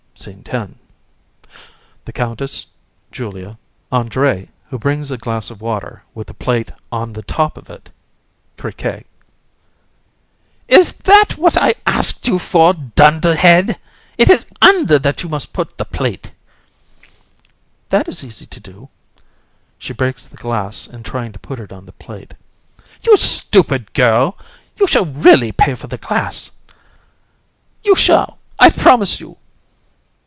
SCENE X. THE COUNTESS, JULIA, ANDRÉE (who brings a glass of water, with a plate on the top of it), CRIQUET. COUN. Is that what I asked you for, dunderhead? It is under that you must put the plate. AND. That is easy to do. (She breaks the glass in trying to put it on the plate.) COUN. You stupid girl! You shall really pay for the glass; you shall, I promise you!